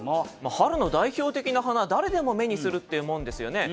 春の代表的な花誰でも目にするっていうもんですよね。